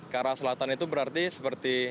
ke arah selatan itu berarti seperti